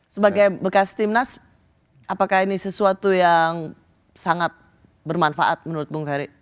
sebagai bekas timnas apakah ini sesuatu yang sangat bermanfaat menurut bung ferry